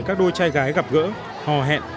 các đôi trai gái gặp gỡ hò hẹn